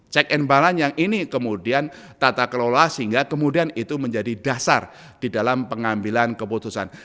check and balance yang ini kemudian tata kelola sehingga kemudian itu menjadi dasar di dalam pengambilan keputusan